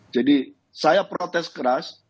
jadi saya protes keras